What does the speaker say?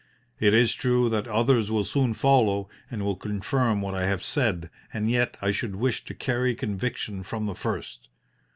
It is true that others will soon follow and will confirm what I have said, and yet I should wish to carry conviction from the first.